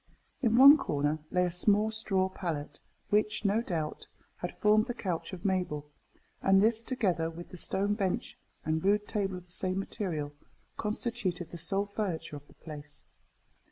In one corner lay a small straw pallet, which, no doubt, had formed the couch of Mabel; and this, together with the stone bench and rude table of the same material, constituted the sole furniture of the place.